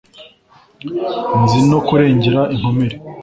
nzi no kurengera inkomere